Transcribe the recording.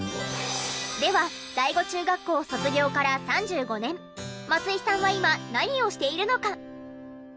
では第五中学校卒業から３５年松井さんは今何をしているのか？